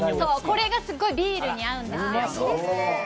これがすごいビールに合うんですよ。